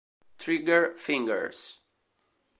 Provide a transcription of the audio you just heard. Trigger Fingers